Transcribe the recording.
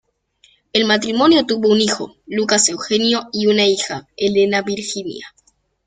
El matrimonio tuvo un hijo, Lucas Eugenio, y una hija, Elena Virginia.